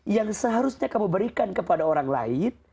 yang seharusnya kamu berikan kepada orang lain